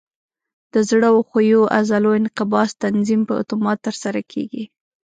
د زړه او ښویو عضلو انقباض تنظیم په اتومات ترسره کېږي.